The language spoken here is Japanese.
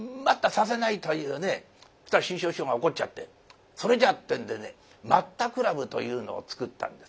そしたら志ん生師匠が怒っちゃってそれじゃってんでね待った倶楽部というのを作ったんです。